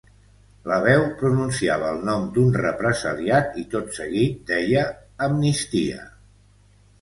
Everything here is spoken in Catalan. La veu pronunciava el nom d’un represaliat i tot seguit deia: “Amnistia”.